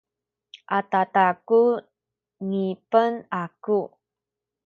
adada ku ngipen aku